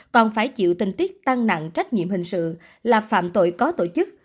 còn phải chịu tình tiết tăng nặng trách nhiệm hình sự là phạm tội có tổ chức